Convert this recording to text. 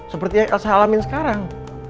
seperti yang saya alamin sekarang